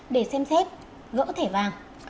để xem xét gỡ thẻ vàng